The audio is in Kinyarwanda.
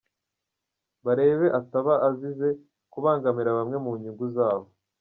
barebe ataba azize kubangamira bamwe mu nyungu zabo.